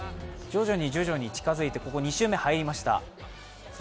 徐々に近づいて、２周目に入りました。